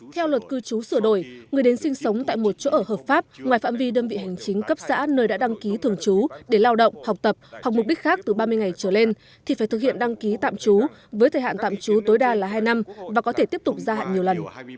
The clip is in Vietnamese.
theo luật cư trú sửa đổi người đến sinh sống tại một chỗ ở hợp pháp ngoài phạm vi đơn vị hành chính cấp xã nơi đã đăng ký thường trú để lao động học tập hoặc mục đích khác từ ba mươi ngày trở lên thì phải thực hiện đăng ký tạm trú với thời hạn tạm trú tối đa là hai năm và có thể tiếp tục gia hạn nhiều lần